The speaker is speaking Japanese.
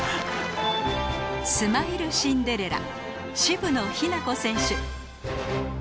スマイルシンデレラ渋野日向子選手